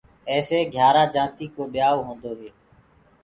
ايسي گھيآرآ جآتيٚ ڪو ٻيآئو هوندو هي۔